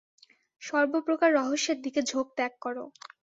সর্বপ্রকার রহস্যের দিকে ঝোঁক ত্যাগ কর।